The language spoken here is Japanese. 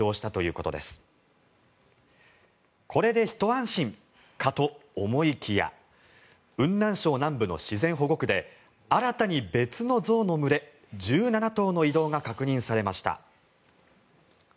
これでひと安心かと思いきや雲南省南部の自然保護区で新たに別の象の群れ１７頭の移動が確認されました。